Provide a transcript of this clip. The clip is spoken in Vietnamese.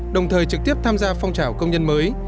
đồng thời trực tiếp tham gia phong trào công nhân mới